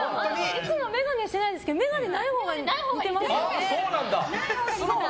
いつも眼鏡してないんですけど眼鏡ないほうが似てますね。